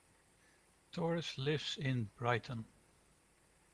Torres lives in Brighton.